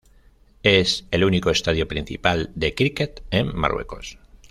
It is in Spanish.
Es el único estadio principal de críquet en Marruecos.